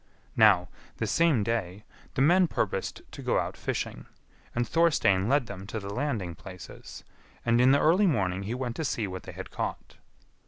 Now, the same day, the men purposed to go out fishing, and Thorstein led them to the landing places, and in the early morning he went to see what they had caught.